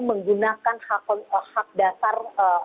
menggunakan hak dasar